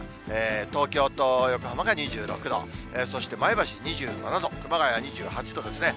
東京と横浜が２６度、そして前橋２７度、熊谷は２８度ですね。